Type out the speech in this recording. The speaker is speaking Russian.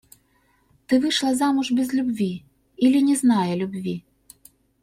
Ты вышла замуж без любви или не зная любви.